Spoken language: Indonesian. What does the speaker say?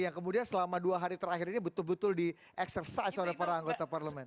yang kemudian selama dua hari terakhir ini betul betul di exercise oleh para anggota parlemen